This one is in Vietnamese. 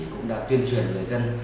cũng đã tuyên truyền người dân